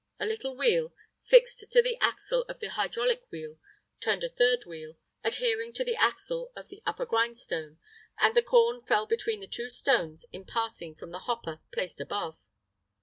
A little wheel, fixed to the axle of the hydraulic wheel, turned a third wheel, adhering to the axle of the upper grindstone, and the corn fell between the two stones in passing from the hopper placed above.